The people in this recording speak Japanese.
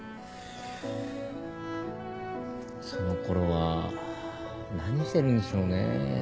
その頃は何してるんでしょうね。